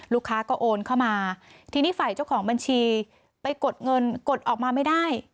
ลูกค้าก็โอนเข้ามาทีนี้ฝ่ายเจ้าของบัญชีไปกดเงินกดออกมาไม่ได้